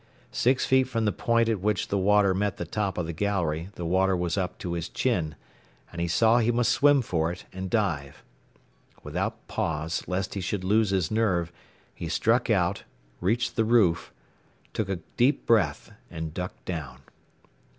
Six feet from the point at which the water met the top of the gallery the water was up to his chin, and he saw he must swim for it, and dive. Without pause, lest he should lose his nerve, he struck out, reached the roof, took a deep breath, and ducked down.